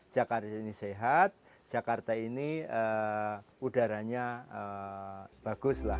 jakarta ini sehat jakarta ini udaranya bagus lah